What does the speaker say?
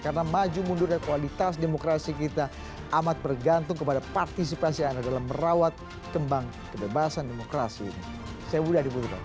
karena maju mundur dan kualitas demokrasi kita amat bergantung kepada partisipasi anda dalam merawat kembang kebebasan demokrasi ini